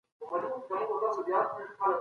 سردرد په ورځ کې څو ځلې هم راځي.